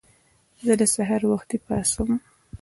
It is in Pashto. زه د سهار وختي پاڅم.